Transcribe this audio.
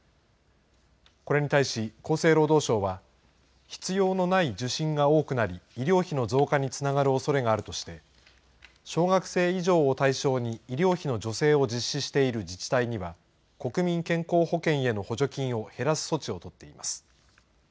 これに対し、厚生労働省は、必要のない受診が多くなり、医療費の増加につながるおそれがあるとして、小学生以上を対象に医療費の助成を実施している自治体には、国民健康保険への補助金を減らす措置を取っています。